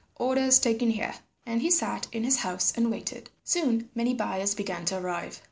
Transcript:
Orders taken here." Then he sat in his house and waited. Soon many buyers began to arrive.